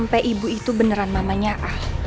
sampai ibu itu beneran mamanya ah